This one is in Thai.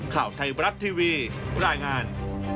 ข่าวไทยบรัฐทีวีรายงาน